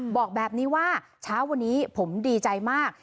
บอกแบบนี้ว่าเช้าวันนี้ผมดีใจมาก